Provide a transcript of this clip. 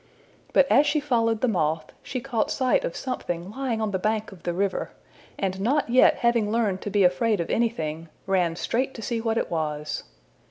But as she followed the moth, she caught sight of something lying on the bank of the river, and not yet having learned to be afraid of anything, ran straight to see what it was.